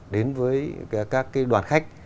đến với các đoàn khách